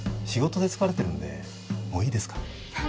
仕事で疲れてるんでもういいですか？